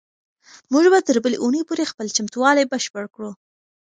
موږ به تر بلې اونۍ پورې خپل چمتووالی بشپړ کړو.